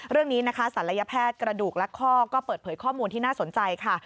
เรื่องนี้นะคะศัลยแพทย์กระดูกและข้อก็เปิดเผยข้อมูลที่น่าสนใจค่ะ